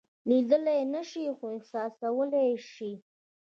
لیدلی یې نشئ خو احساسولای یې شئ.